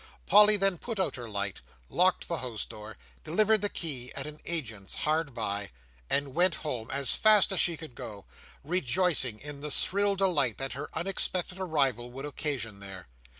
Polly then put out her light, locked the house door, delivered the key at an agent's hard by, and went home as fast as she could go; rejoicing in the shrill delight that her unexpected arrival would occasion there.